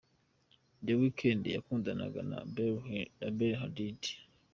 The Weeknd yakundanaga na Bella Hadid.